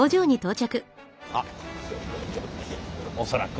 あっ恐らく。